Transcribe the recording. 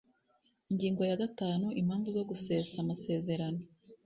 Ingingo ya gatanu Impamvu zo gusesa amasezerano